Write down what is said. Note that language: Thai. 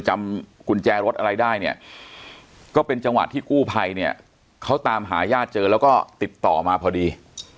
จำกุญแจรถอะไรได้เนี่ยก็เป็นจังหวะที่กู้ภัยเนี่ยเขาตามหาญาติเจอแล้วก็ติดต่อมาพอดี